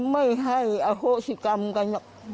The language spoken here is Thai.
ไม่ไม่ให้อโศกรรมกัน